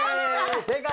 正解！